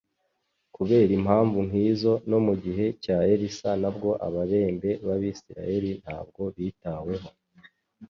Kubera impamvu nk'izo no mu gihe cya Elisa nabwo ababembe b'abisiraeli ntabwo bitaweho,